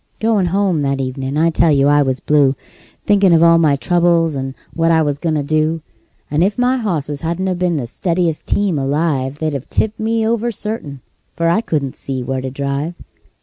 Goin' home that evenin' I tell you I was blue, Thinkin' of all my troubles, and what I was goin' to do; And if my hosses hadn't been the steadiest team alive, They'd 've tipped me over, certain, for I couldn't see where to drive.